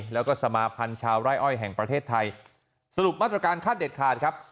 แล้วก็สมาพันธ์ชาวไร่อ้อยแห่งประเทศไทยสรุปมาตรการคาดเด็ดขาดครับ